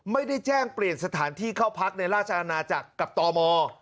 ไม่ได้แจ้งเปลี่ยนสถานที่เข้าพักในราชอาณาจักรกับตม